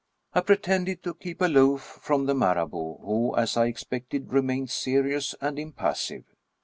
I pretended to keep aloof from the Marabout, who, as I expected, remained serious and impassive.